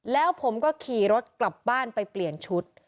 แล้วผมก็ขี่รถกลับบ้านไปเปลี่ยนชุด